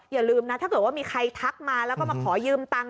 อย่าลืมนะถ้าเกิดว่ามีใครทักมาแล้วก็มาขอยืมตัง